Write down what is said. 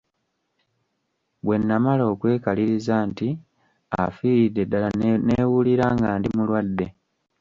Bwe namala okwekaliriza nti afiiridde ddala ne neewulira nga ndi mulwadde.